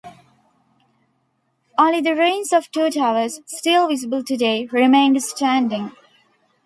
Only the ruins of two towers, still visible today, remained standing.